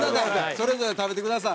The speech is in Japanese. それぞれ食べてください。